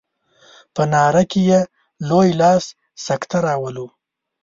په ناره کې په لوی لاس سکته راولو.